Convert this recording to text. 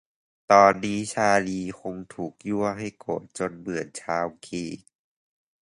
ตอนนี้ชาร์ลีย์คงถูกยั่วให้โกรธจนเหมือนชาวกรีก